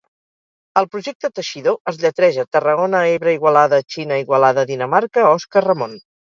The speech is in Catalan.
El projecte 'Teixidor' es lletreja Tarragona-Ebre-Igualada-Xina-Igualada-Dinamarca-Òscar-Ramon.